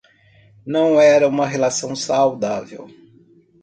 Não era uma relação saudável